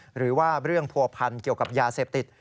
หรือว่าเรื่องผัวพันธ์เกี่ยวกับยาเสพติด